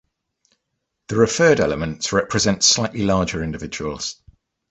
The referred elements represent slightly larger individuals.